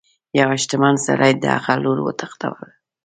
یوه شتمن سړي د هغه لور وتښتوله.